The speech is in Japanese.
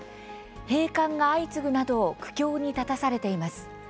閉館が相次ぐなど苦境に立たされています。